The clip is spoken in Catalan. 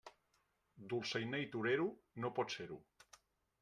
Dolçainer i torero, no pots ser-ho.